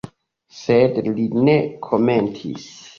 Sed li ne komentis.